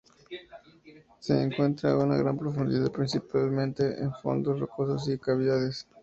Se encuentra a gran profundidad, principalmente en fondos rocosos y cavidades.